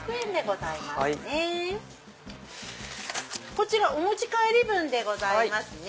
こちらお持ち帰り分でございますね。